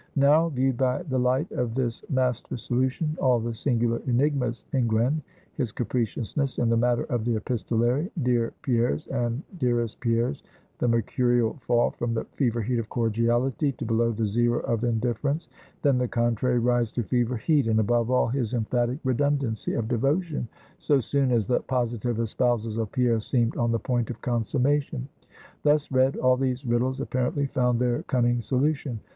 Now, viewed by the light of this master solution, all the singular enigmas in Glen; his capriciousness in the matter of the epistolary "Dear Pierres" and "Dearest Pierres;" the mercurial fall from the fever heat of cordiality, to below the Zero of indifference; then the contrary rise to fever heat; and, above all, his emphatic redundancy of devotion so soon as the positive espousals of Pierre seemed on the point of consummation; thus read, all these riddles apparently found their cunning solution.